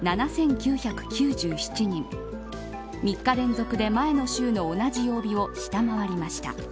６日連続で前の週の同じ曜日を下回りました。